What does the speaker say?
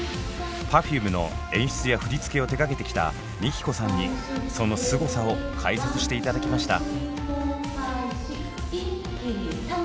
Ｐｅｒｆｕｍｅの演出や振り付けを手がけてきたＭＩＫＩＫＯさんにそのすごさを解説して頂きました。